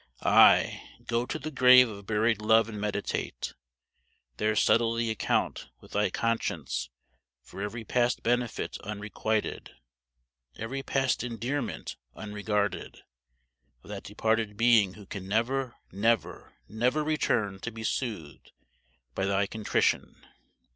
Ay, go to the grave of buried love and meditate! There settle the account with thy conscience for every past benefit unrequited every past endearment unregarded, of that departed being who can never never never return to be soothed by thy contrition!